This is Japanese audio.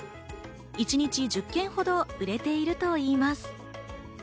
一日１０件ほど売れているといいます。